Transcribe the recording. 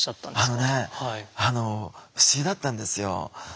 あのねあの不思議だったんですよ。